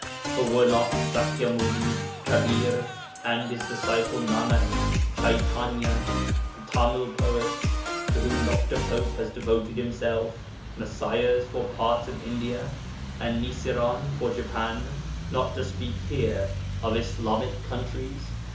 For were not Sakya Muni, Kabir and his disciple Nanak, Chaitanya, the Tamil poets (to whom Dr. Pope has devoted himself) Messiahs for parts of India, and Nisiran for Japan, not to speak here of Islamic countries?